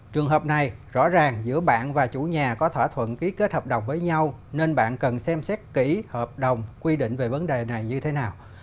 trường hợp này rõ ràng giữa bạn và chủ nhà có thỏa thuận ký kết hợp đồng với nhau nên bạn cần xem xét kỹ hợp đồng quy định về vấn đề này như thế nào